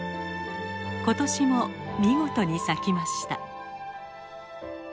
今年も見事に咲きました。